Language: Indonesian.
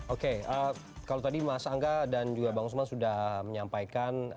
oke kalau tadi mas angga dan juga bang usman sudah menyampaikan